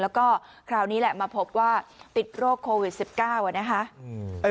แล้วก็คราวนี้แหละมาพบว่าติดโรคโควิด๑๙นะคะ